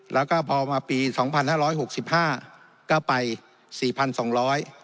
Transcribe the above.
แล้วก็พอมาปีสองพันห้าร้อยหกสิบห้าก็ไปสี่พันสองร้อย